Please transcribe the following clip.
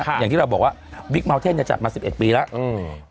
ค่ะอย่างที่เราบอกว่าบิ๊กเมาเทนต์จะจัดมาสิบเอ็ดปีแล้วอืม